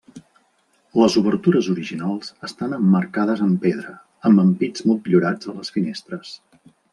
Les obertures originals estan emmarcades amb pedra, amb ampits motllurats a les finestres.